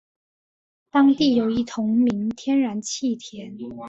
当地有一同名天然气田。